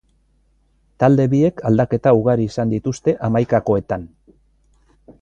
Talde biek aldaketa ugari izan dituzte hamaikakoetan.